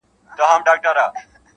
• د شیطان پر پلونو پل ایښی انسان دی -